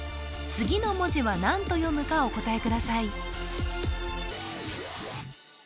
次の文字は何と読むかお答えください